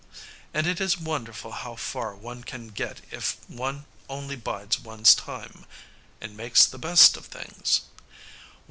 And it is wonderful how far one can get if one only bides one's time, and makes the best of things.